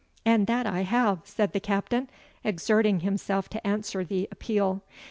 "And that I have," said the Captain, exerting himself to answer the appeal.